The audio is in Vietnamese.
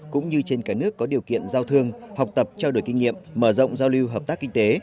cũng như trên cả nước có điều kiện giao thương học tập trao đổi kinh nghiệm mở rộng giao lưu hợp tác kinh tế